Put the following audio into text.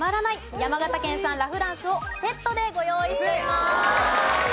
山形県産ラ・フランスをセットでご用意しています！